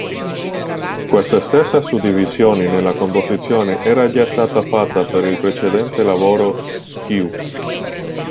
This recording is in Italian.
Questa stessa suddivisione nella composizione era già stata fatta per il precedente lavoro "Kew.